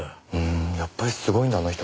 やっぱりすごいんだあの人。